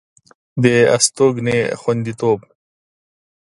د استوګنې خوندیتوب